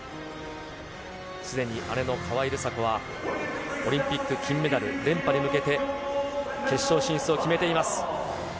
すでに姉の川井梨紗子は、オリンピック金メダル、連覇に向けて、決勝進出を決めています。